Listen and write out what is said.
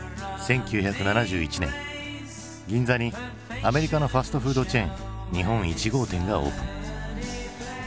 １９７１年銀座にアメリカのファストフードチェーン日本一号店がオープン。